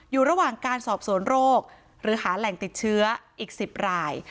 อยู่ระหว่างการสอบสวนโรคหรือหาแหล่งติดเชื้ออีก๑๐ราย